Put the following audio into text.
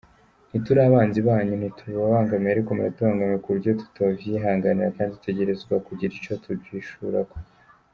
"Ntituri abansi banyu, ntitubabangamiye ariko muratubangamiye ku buryo tutovyihanganira kandi dutegerezwa kugira ico tuvyishurako.